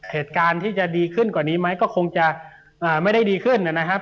เหตุการณ์ที่จะดีขึ้นกว่านี้ไหมก็คงจะไม่ได้ดีขึ้นนะครับ